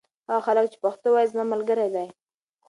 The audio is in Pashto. هغه هلک چې پښتو وايي زما ملګری دی.